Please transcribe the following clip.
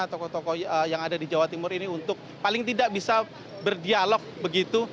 tokoh tokoh yang ada di jawa timur ini untuk paling tidak bisa berdialog begitu